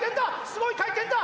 すごい回転だ！